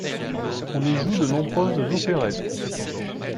On y joue de nombreuses opérettes.